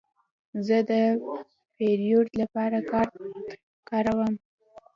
زه د پیرود لپاره کارت کاروم.